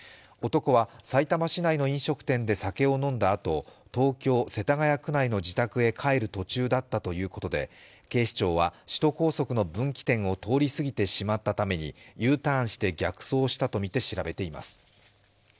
男はさいたま市内の飲食店で酒を飲んだあと、東京・世田谷区内の自宅へ帰る途中だったということで警視庁は、首都高速の分岐点を通り過ぎてしまったためにＵターンして逆走したとみて調べています。